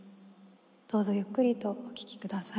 どうぞゆっくりとお聴きください。